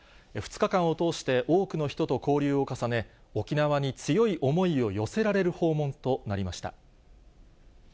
２日間を通して、多くの人と交流を重ね、沖縄に強い思いを寄せられる訪問となりました。